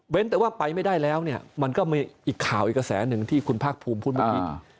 เว้นแต่ว่าไปไม่ได้แล้วมันก็มีอีกข่าวอีกกระแสหนึ่งที่คุณพระพูมพูดบางที